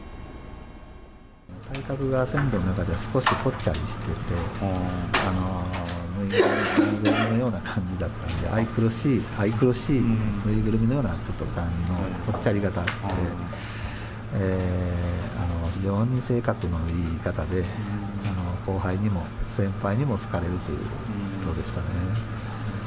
体格が船頭の中では少しぽっちゃりしてて、縫いぐるみのような感じだったんで、愛くるしい、縫いぐるみのような、ちょっと感じの、ぽっちゃり形で、非常に性格のいい方で、後輩にも先輩にも好かれるという人でしたね。